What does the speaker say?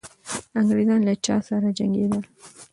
انګریزان له چا سره جنګېدل؟